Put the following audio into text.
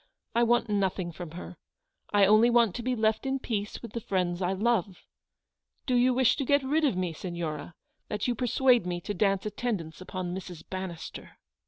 I want nothing from her. I only want to be left in peace with the friends I love. Do you wish to get rid of me, Signora, that you persuade me to dance attendance upon Mrs. Bannister